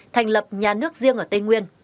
thành lập nhà nước riêng ở tây nguyên